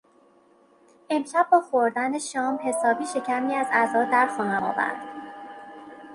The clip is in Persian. امشب با خوردن شام حسابی شکمی از عزا درخواهم آورد.